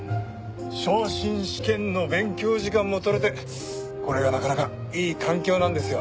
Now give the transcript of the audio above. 昇進試験の勉強時間もとれてこれがなかなかいい環境なんですよ。